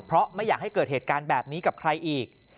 เพราะไม่อยากให้เกิดเหตุการณ์แบบนี้กับใครอีก